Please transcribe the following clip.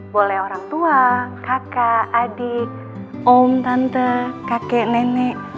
boleh orang tua kakak adik om tante kakek nenek